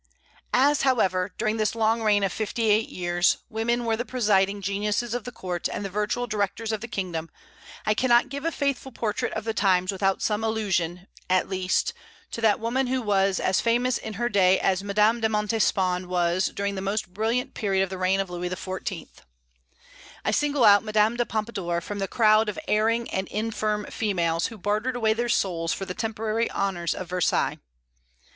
As, however, during this long reign of fifty eight years, women were the presiding geniuses of the court and the virtual directors of the kingdom, I cannot give a faithful portrait of the times without some allusion, at least, to that woman who was as famous in her day as Madame de Montespan was during the most brilliant period of the reign of Louis XIV. I single out Madame de Pompadour from the crowd of erring and infirm females who bartered away their souls for the temporary honors of Versailles.